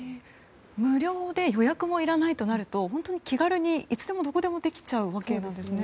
無料で予約もいらないとなると気軽にいつでもどこでもできちゃうわけなんですね。